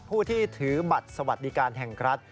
ผู้ที่ถือบัตรสวัสดิการแห่งรัฐ